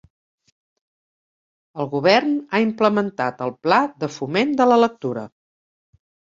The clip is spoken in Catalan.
El govern ha implementat el pla de foment de la lectura.